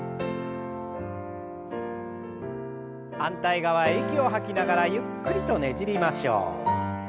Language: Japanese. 反対側へ息を吐きながらゆっくりとねじりましょう。